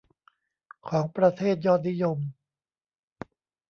ของประเทศยอดนิยม